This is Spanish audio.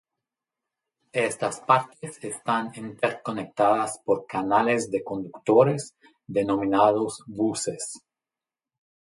Estas partes están interconectadas por canales de conductores denominados buses.